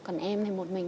còn em thì một mình